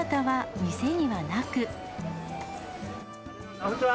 こんにちは。